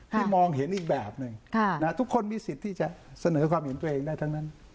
ที่มองเห็นอีกแบบหนึ่งทุกคนมีสิทธิ์ที่จะเสนอความเห็นตัวเองได้ทั้งนั้น